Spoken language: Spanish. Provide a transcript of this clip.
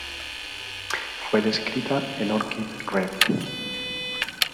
Fue descrita en "Orchid Rev.